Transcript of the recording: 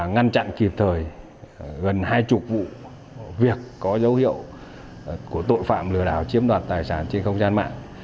ngăn chặn kịp thời gần hai mươi vụ việc có dấu hiệu của tội phạm lừa đảo chiếm đoạt tài sản trên không gian mạng